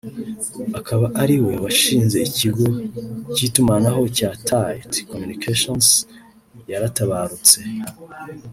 akaba ariwe washinze ikigo cy’itumanaho cya Tait Communications yaratabarutse